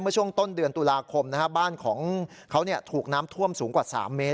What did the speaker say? เมื่อช่วงต้นเดือนตุลาคมบ้านของเขาถูกน้ำท่วมสูงกว่า๓เมตร